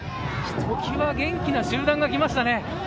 ひときわ元気な集団が来ましたね。